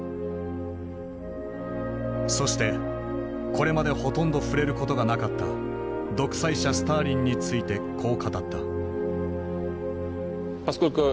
そしてこれまでほとんど触れることがなかった独裁者スターリンについてこう語った。